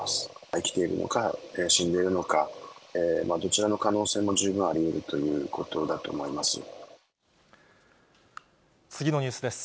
生きているのか、死んでいるのか、どちらの可能性も十分ありうると次のニュースです。